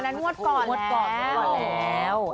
ห้ารอดก่อนว่ะ